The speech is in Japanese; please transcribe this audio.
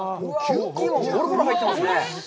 ごろごろ入ってますね。